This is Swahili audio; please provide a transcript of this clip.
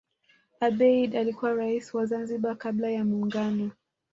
abeid alikuwa rais wa zanzibar kabla ya muungano